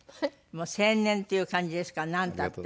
青年っていう感じですからなんて言ったって。